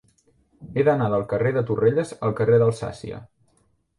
He d'anar del carrer de Torrelles al carrer d'Alsàcia.